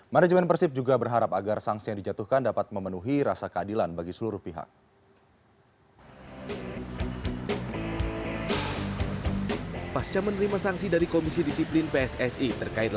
manajemen persib juga berharap agar sanksi yang dijatuhkan dapat memenuhi rasa keadilan bagi seluruh pihak